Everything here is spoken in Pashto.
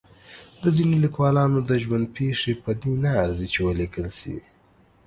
د ځینو لیکوالانو د ژوند پېښې په دې نه ارزي چې ولیکل شي.